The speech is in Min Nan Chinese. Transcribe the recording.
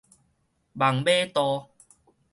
網尾渡